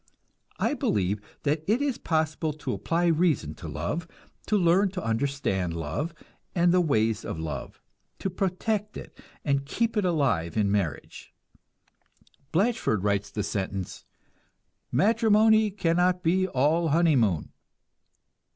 I believe that it is possible to apply reason to love, to learn to understand love and the ways of love, to protect it and keep it alive in marriage. Blatchford writes the sentence, "Matrimony cannot be all honeymoon."